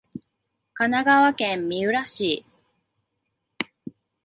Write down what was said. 神奈川県三浦市